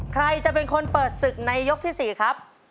ใครจะเป็นคนเปิดศึกในยกที่๔ครับ